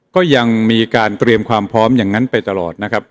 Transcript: ก็ยังมีการเตรียมความพร้อมอย่างนั้นไปตลอดนะครับ